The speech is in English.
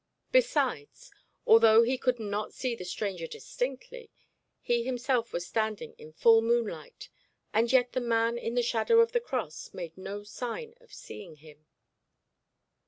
Besides, although he could not see the stranger distinctly, he himself was standing in full moonlight, and yet the man in the shadow of the cross made no sign of seeing him.